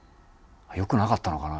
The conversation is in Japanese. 良くなかったのかな？